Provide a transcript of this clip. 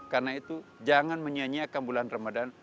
karena itu jangan menyanyiakan bulan ramadan